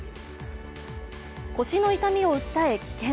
腰の痛みを訴え、棄権。